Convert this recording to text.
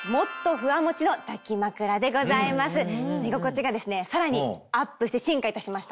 寝心地がですねさらにアップして進化いたしました。